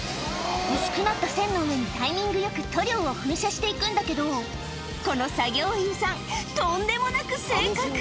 薄くなった線の上にタイミングよく塗料を噴射していくんだけど、この作業員さん、とんでもなく正確。